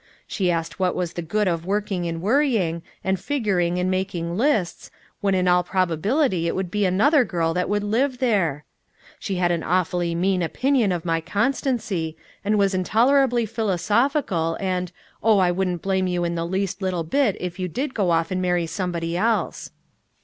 She asked what was the good of working and worrying, and figuring and making lists when in all probability it would be another girl that would live there. She had an awfully mean opinion of my constancy, and was intolerably philosophical and Oh I wouldn't blame you the least little bit if you did go off and marry somebody else!